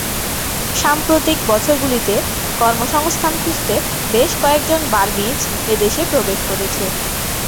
সাম্প্রতিক বছরগুলিতে, কর্মসংস্থান খুঁজতে বেশ কয়েকজন বার্মিজ এদেশে প্রবেশ করেছে।